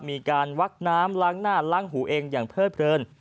มีการวักน้ำล้างหน้าล้างหูเองอย่างเพิดเพลิน